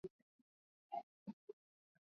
Mkate umeuzwa.